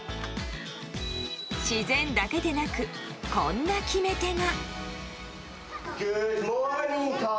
自然だけでなくこんな決め手が。